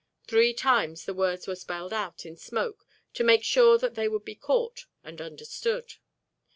Three times the words were spelled out in smoke to make sure that they would be caught and understood.